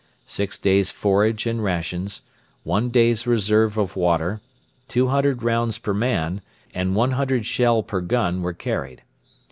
Six days' forage and rations, one day's reserve of water, 200 rounds per man, and 100 shell per gun were carried.